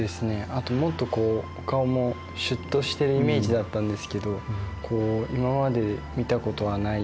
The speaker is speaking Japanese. あともっとこうお顔もシュッとしてるイメージだったんですけど今まで見たことはないような。